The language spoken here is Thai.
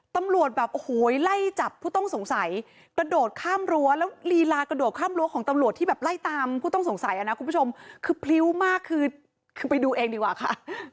ตำรวจแบบโอ้โหไล่จับผู้ต้องสงสัยกระโดดข้ามรั้วแล้วลีลากระโดดข้ามรั้วของตำรวจที่แบบไล่ตามผู้ต้องสงสัยอ่ะนะคุณผู้ชมคือพริ้วมากคือคือไปดูเองดีกว่าค่ะ